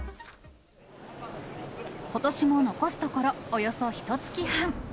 ことしも残すところ、およそひとつき半。